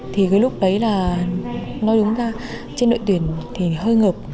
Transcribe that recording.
thì cái lúc đấy là nói đúng ra trên đội tuyển thì hơi ngợp